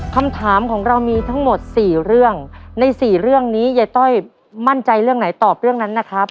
คำถามของเรามีทั้งหมดสี่เรื่องใน๔เรื่องนี้ยายต้อยมั่นใจเรื่องไหนตอบเรื่องนั้นนะครับ